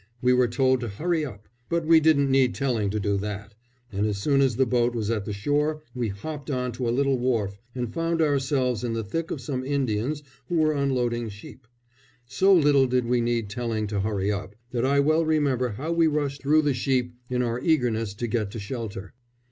We were told to hurry up; but we didn't need telling to do that, and as soon as the boat was at the shore we hopped on to a little wharf and found ourselves in the thick of some Indians who were unloading sheep. So little did we need telling to hurry up, that I well remember how we rushed through the sheep in our eagerness to get to shelter.